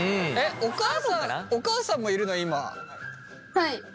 はい。